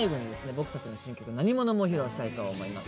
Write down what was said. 僕たちの新曲「なにもの」も披露したいと思います。